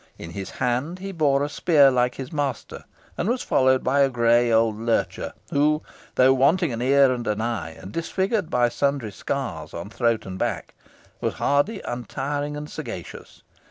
In his hand he bore a spear like his master, and was followed by a grey old lurcher, who, though wanting an ear and an eye, and disfigured by sundry scars on throat and back, was hardy, untiring, and sagacious.